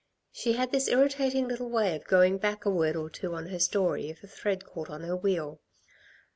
She had this irritating little way of going back a word or two on her story if a thread caught on her wheel.